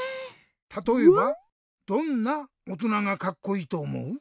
たとえばどんなおとながカッコイイとおもう？